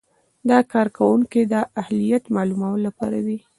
دا د کارکوونکي د اهلیت معلومولو لپاره ده.